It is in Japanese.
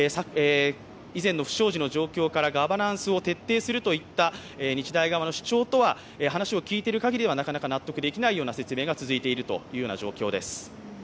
以前の不祥事の状況からガバナスを徹底するといっていた日大側の主張とは話を聞いている限りではなかなか納得できないような状況が続いています。